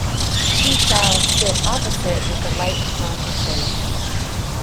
She shall sit opposite, with the light upon her face.